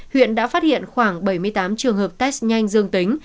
huyện đã phát hiện khoảng bảy mươi tám trường hợp test nhanh dương tính